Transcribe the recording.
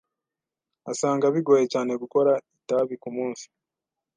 Asanga bigoye cyane gukora itabi kumunsi.